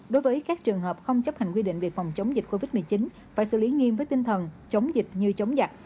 đối với các trường hợp không chấp hành quy định về phòng chống dịch covid một mươi chín phải xử lý nghiêm với tinh thần chống dịch như chống giặc